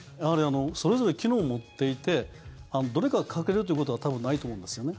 それぞれ機能を持っていてどれか欠けるということは多分ないと思うんですよね。